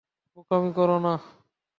বোকামি করো না।